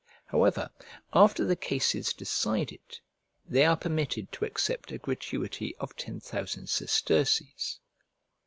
However, after the case is decided, they are permitted to accept a gratuity of ten thousand sesterces.